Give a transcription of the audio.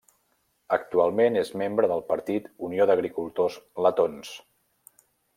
Actualment és membre del partit Unió d'Agricultors Letons.